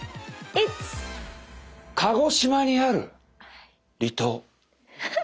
鹿児島にある離島。